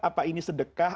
apa ini sedekah